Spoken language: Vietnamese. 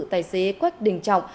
tài xế quách đình trọng